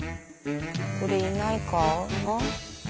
これいないか？